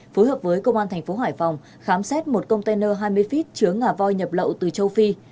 phối hợp với công an thành phố hải phòng khám xét một container hai mươi feet chứa ngà voi nhập lậu từ châu phi